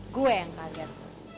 gue yang kaget